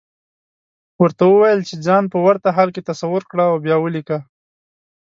ورته وويل چې ځان په ورته حال کې تصور کړه او بيا وليکه.